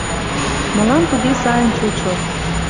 Мылам туге сайын чучо...